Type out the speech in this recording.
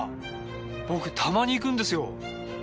僕たまに行くんですよ。